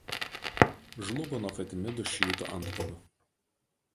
Žlugo nuo Fatimidų šiitų antpuolių.